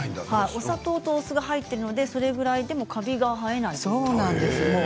お砂糖とお酢が入っているのでそれぐらいでもかびないんです。